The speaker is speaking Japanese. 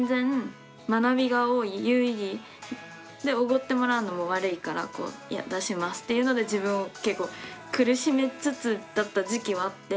おごってもらうのも悪いから出しますっていうので自分を結構苦しめつつだった時期はあって。